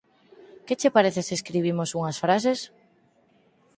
Que che parece se escribimos unhas frases?